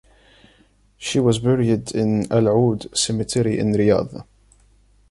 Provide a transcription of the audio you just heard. She was buried in Al Oud cemetery in Riyadh.